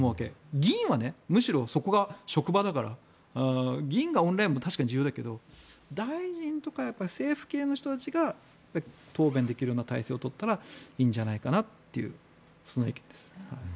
議員はむしろそこが職場だから議員がオンラインも確かに重要だけど大臣とか政府系の人たちが答弁できるような体制を取ったらいいんじゃないかなというそんな意見です。